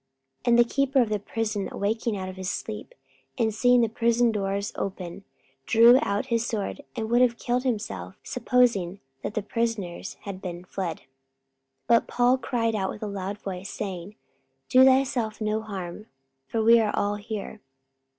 44:016:027 And the keeper of the prison awaking out of his sleep, and seeing the prison doors open, he drew out his sword, and would have killed himself, supposing that the prisoners had been fled. 44:016:028 But Paul cried with a loud voice, saying, Do thyself no harm: for we are all here.